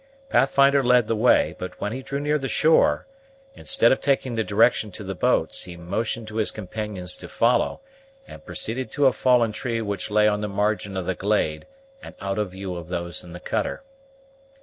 Pathfinder led the way, but, when he drew near the shore, instead of taking the direction to the boats, he motioned to his companions to follow, and proceeded to a fallen tree which lay on the margin of the glade and out of view of those in the cutter.